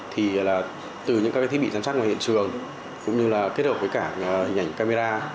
thì là từ những các thiết bị giám sát ngoài hiện trường cũng như là kết hợp với cả hình ảnh camera